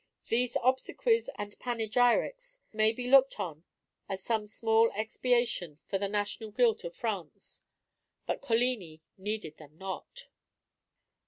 These obsequies and panegyrics may be looked on as some small expiation for the national guilt of France, but Coligni needed them not.